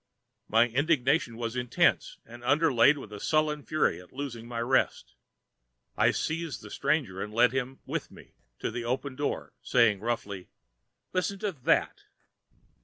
My indignation was intense and underlaid with a sullen fury at losing my rest. I seized the stranger and led him with me to the open door, saying, roughly, "Listen to that."